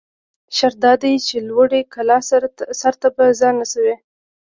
شرط دا دى، چې لوړې کلا سر ته به ځان رسوٸ.